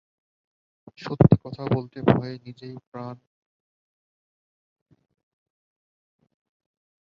সত্যি কথা বলতে, ভয়ে নিজেই প্রায় হেগে ফেলছিলাম।